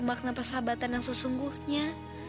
makna persahabatan yang sesungguhnya